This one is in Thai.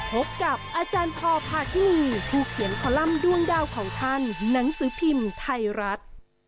พบกับอาจารย์พอพาทินีผู้เขียนคอลัมป์ด้วงดาวของท่านหนังสือพิมพ์ไทยรัฐ